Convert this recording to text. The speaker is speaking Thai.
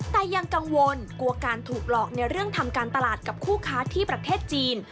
แต่ยังกังวลกลัวการถูกหลอกในเรื่องทำการตลาดกับคู่ค้าที่ประเทศจีน